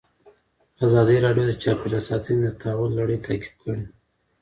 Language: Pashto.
ازادي راډیو د چاپیریال ساتنه د تحول لړۍ تعقیب کړې.